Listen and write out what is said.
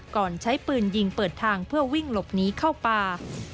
ใช้ปืนยิงเปิดทางเพื่อวิ่งหลบหนีเข้าป่า